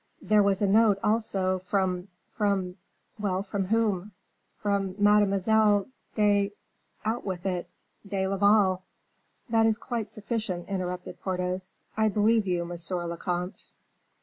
"There was a note, also, from from " "Well, from whom?" "From Mademoiselle de " "Out with it!" "De Laval." "That is quite sufficient," interrupted Porthos. "I believe you, monsieur le comte."